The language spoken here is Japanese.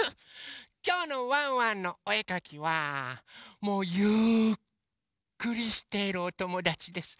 きょうの「ワンワンのおえかき」はもうゆっくりしているおともだちです。